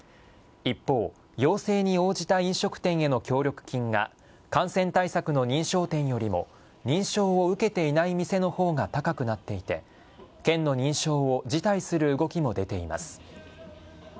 一方、要請に応じた飲食店への協力金が、感染対策の認証店よりも、認証を受けていない店のほうが高くなっていて、県の認証を辞退する動きも出ています。